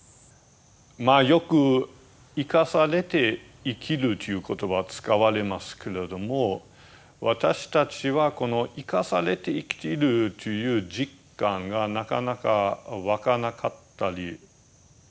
よく「生かされて生きる」という言葉使われますけれども私たちはこの生かされて生きているという実感がなかなかわかなかったりすると思いますね。